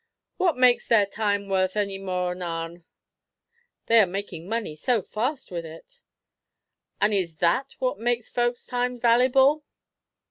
"What makes their time worth any more'n our'n?" "They are making money so fast with it." "And is that what makes folks' time valeyable?"